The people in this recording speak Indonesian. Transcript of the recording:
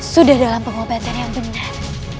sudah dalam pengobatan yang benar